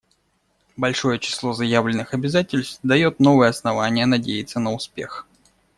Большое число заявленных обязательств дает новые основания надеяться на успех.